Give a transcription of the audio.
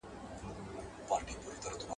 چي د هغه په دننه کي یوه لویه ونه پټه ده؟